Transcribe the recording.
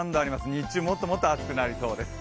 日中、もっともっと暑くなりそうです。